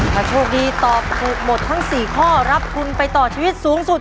ถ้าโชคดีตอบถูกหมดทั้ง๔ข้อรับทุนไปต่อชีวิตสูงสุด